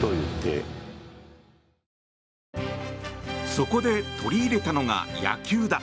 そこで取り入れたのが野球だ。